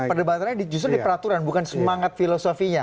perdebatannya justru di peraturan bukan semangat filosofinya